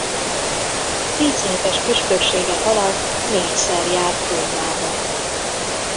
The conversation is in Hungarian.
Tíz éves püspöksége alatt négyszer járt Rómában.